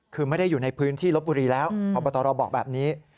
คือไม่ได้อยู่ในพื้นที่ลบบุรีแล้วพบตรบอกแบบนี้